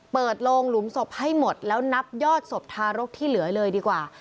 โลงหลุมศพให้หมดแล้วนับยอดศพทารกที่เหลือเลยดีกว่า